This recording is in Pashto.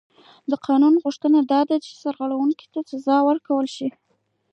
د قانون غوښتنه دا ده چې سرغړونکي ته سزا ورکړل شي.